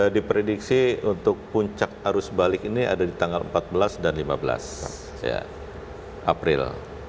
diprediksi untuk puncak arus balik ini ada di tanggal empat belas dan lima belas april